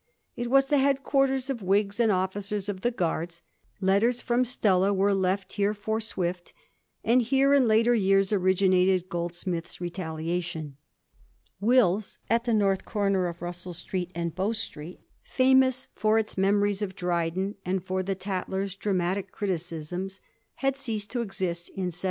It was the head quarters of Whigs and officers of the Guards ; letters fi:om Stella were left here for Swift, and here in later years originated Ooldsmith's ' Ketaliation.' Will's, at the north comer of Russell Street and Bow Street, famous for its memories of Dryden and for the * Tatler's ' dramatic criticisms, had ceased to exist in 1714.